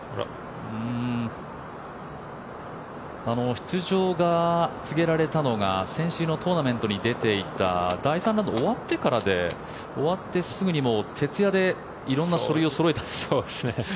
出場が告げられたのが先週のトーナメントに出ていた第３ラウンド終わってからで終わってすぐに徹夜で色んな書類をそろえたと。